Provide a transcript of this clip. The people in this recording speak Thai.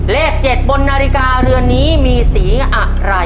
เลข๗บนนาฬิกาเรือนนี้มีสีอะไร